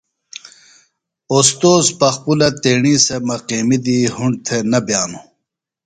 اوستوذ پخپُلہ تیݨی سےۡ مقیمی دی ہُنڈ تھےۡ نہ بئانوۡ۔